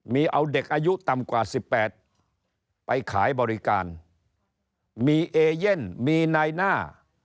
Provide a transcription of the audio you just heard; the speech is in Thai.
มีเอาเด็กอายุต่ำกว่า๑๘ไปขายบริการมีเอเย่นมีนายหน้า